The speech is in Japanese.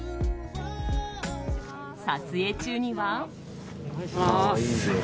撮影中には。